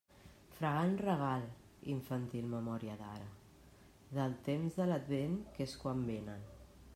Fragant regal, infantil memòria d'ara, del temps de l'Advent, que és quan vénen.